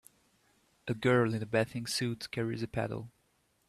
A girl in a bathing suit carries a paddle.